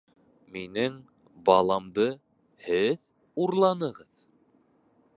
Минең... баламды... һеҙ... урланығыҙ?!